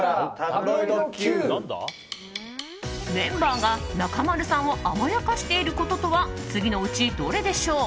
メンバーが中丸さんを甘やかしていることとは次のうちどれでしょう？